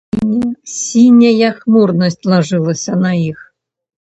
Сіняя хмурнасць лажылася на іх.